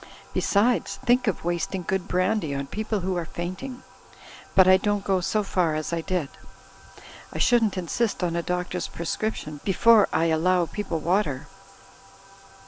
Besides, think of wasting good brandy on people who are fainting ! But I don't go so far as I did; I shouldn't insist on a doctor's prescription before I allow people water.